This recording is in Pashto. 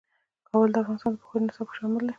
کابل د افغانستان د پوهنې نصاب کې شامل دي.